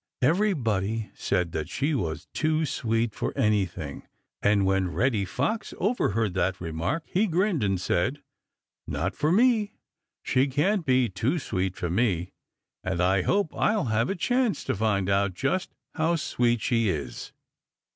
Everybody said that she was "too sweet for anything", and when Reddy Fox overheard that remark he grinned and said: "Not for me! She can't be too sweet for me, and I hope I'll have a chance to find out just how sweet she is."